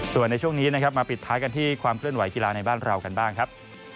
ส่วนในช่วงนี้นะครับมาปิดท้ายกันที่ความเคลื่อนไหกีฬาในบ้านเรากันบ้างครับ